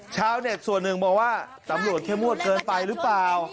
ชาวเน็ตส่วนหนึ่งมองว่าตำรวจเข้มงวดเกินไปหรือเปล่า